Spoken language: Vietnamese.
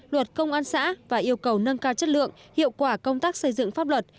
luật công an xã và yêu cầu nâng cao chất lượng hiệu quả công tác xây dựng pháp luật